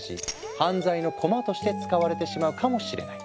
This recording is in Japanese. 犯罪のコマとして使われてしまうかもしれない。